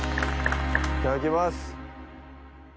いただきます。